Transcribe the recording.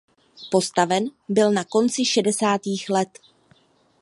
Postaven byl na konci šedesátých let.